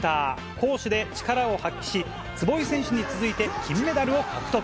攻守で力を発揮し、坪井選手に続いて、金メダルを獲得。